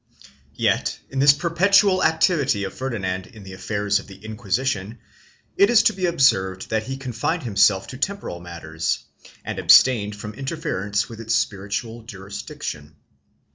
Yet in this perpetual activity of Ferdinand in the affairs of the Inquisition it is to be observed that he confined himself to temporal matters and abstained from interference with its spiritual jurisdiction.